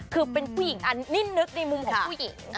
คือเป็นผู้หญิงอันนี้นึกในมุมของผู้หญิง